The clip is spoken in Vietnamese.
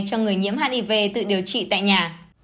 cho người nhiễm hiv tự điều trị tại nhà